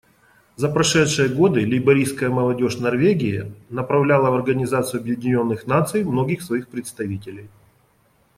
За прошедшие годы лейбористская молодежь Норвегии направляла в Организацию Объединенных Наций многих своих представителей.